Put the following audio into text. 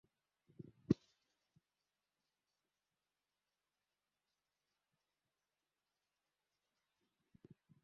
Kiprotestanti wa kutaka kila mmoja aweze kutafsiri Biblia alivyoielewa